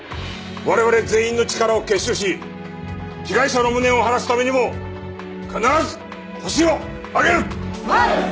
我々全員の力を結集し被害者の無念を晴らすためにも必ずホシを挙げる！